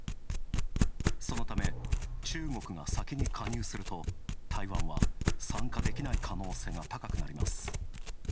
そのため、中国が先に加入すると台湾は参加できない可能性が高くなります。